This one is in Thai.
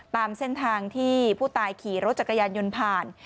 ตามเส้นทางที่ผู้ตายขี่รถจักรยานยนต์ผ่าน